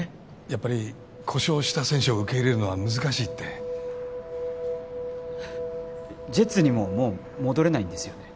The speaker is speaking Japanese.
やっぱり故障した選手を受け入れるのは難しいってジェッツにももう戻れないんですよね？